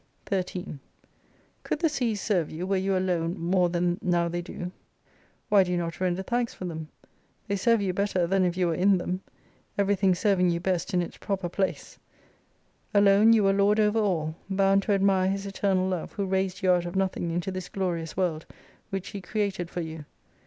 13 Could the seas serve you were you alone more than now they do ? Why do you not render thanks for them ? They serve you better than if you were in them : everything serving you best in its proper place 87 Alone you were lord over all : bound to admire His eternal love who raised you out of nothing into this glorious world which He created for you.